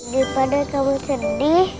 daripada kamu sedih